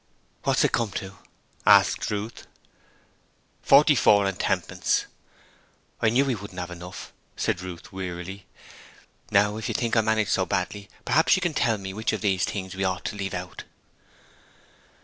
'What's it come to?' asked Ruth. 'Forty four and tenpence.' 'I knew we wouldn't have enough,' said Ruth, wearily. 'Now if you think I manage so badly, p'raps you can tell me which of these things we ought to leave out.'